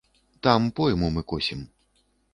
Там пойму мы косім.